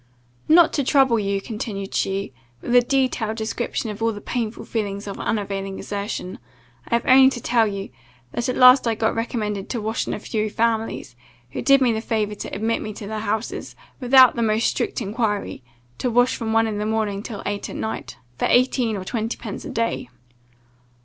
"Not to trouble you," continued she, "with a detailed description of all the painful feelings of unavailing exertion, I have only to tell you, that at last I got recommended to wash in a few families, who did me the favour to admit me into their houses, without the most strict enquiry, to wash from one in the morning till eight at night, for eighteen or twenty pence a day.